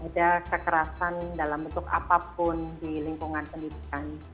ada kekerasan dalam bentuk apapun di lingkungan pendidikan